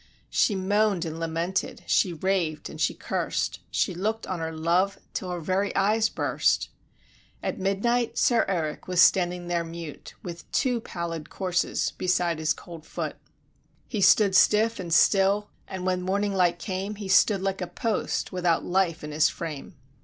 She moan'd and lamented, she rav'd and she curst; She look'd on her love, till her very eyes burst. At midnight, Sir Erik was standing there mute, With two pallid corses beside his cold foot: He stood stiff and still; and when morning light came, He stood, like a post, without life in his frame.